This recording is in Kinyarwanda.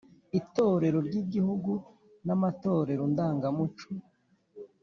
Itorero ry’Igihugu n’amatorero ndangamuco